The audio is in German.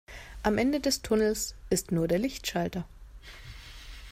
Am Ende des Tunnels ist nur der Lichtschalter.